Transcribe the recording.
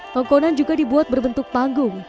tongkonan juga dibuat berbentuk panggung